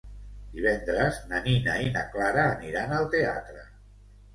Divendres na Nina i na Clara aniran al teatre.